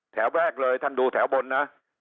แถวแรกเลยท่านดูแถวบนนะ